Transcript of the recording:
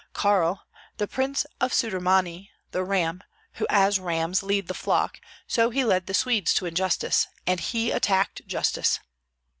"Karl, the prince of Sudermanii, the ram, who as rams lead the flock, so he led the Swedes to injustice; and he attacked justice."